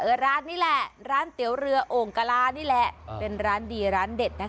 ร้านนี่แหละร้านเตี๋ยวเรือโอ่งกะลานี่แหละเป็นร้านดีร้านเด็ดนะคะ